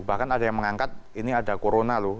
bahkan ada yang mengangkat ini ada corona loh